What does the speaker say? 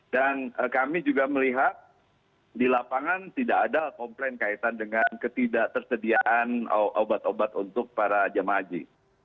kami juga melihat di lapangan tidak ada komplain kaitan dengan ketidak tersediaan obat obat untuk para jemaah haji